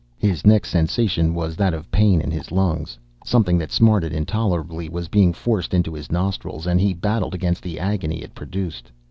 His next sensation was that of pain in his lungs. Something that smarted intolerably was being forced into his nostrils, and he battled against the agony it produced.